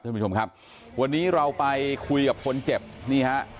ท่านผู้ชมครับวันนี้เราไปคุยกับคนเจ็บนี่ฮะ